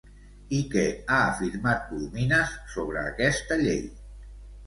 I què ha afirmat Corominas sobre aquesta llei?